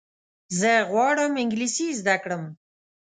زه غواړم انګلیسي زده کړم.